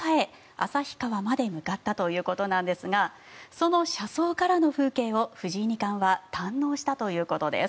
旭川まで向かったということなんですがその車窓からの風景を藤井二冠は堪能したということです。